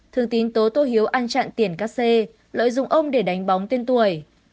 thương tín tố tô hiếu ăn chặn tiền cắt xê lợi dụng ông để đánh bóng tên tuổi